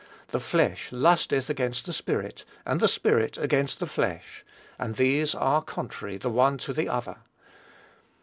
"The flesh lusteth against the Spirit, and the Spirit against the flesh; and these are contrary the one to the other."